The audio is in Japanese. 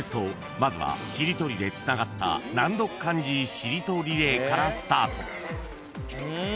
まずはしりとりでつながった難読漢字しりとリレーからスタート］